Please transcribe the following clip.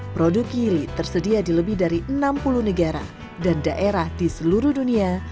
produk kiri tersedia di lebih dari enam puluh negara dan daerah di seluruh dunia